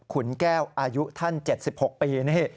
ขุนแก้วอายุท่าน๗๖ปีนี่